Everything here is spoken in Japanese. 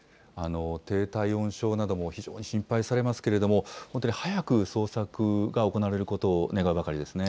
低体温症なども非常に心配されますけれども、本当に早く捜索が行われることを願うばかりですね。